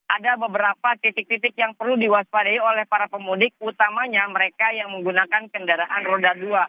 ada beberapa titik titik yang perlu diwaspadai oleh para pemudik utamanya mereka yang menggunakan kendaraan roda dua